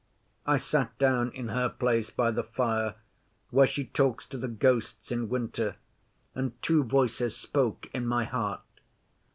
I sat down in her place by the fire, where she talks to the ghosts in winter, and two voices spoke in my heart.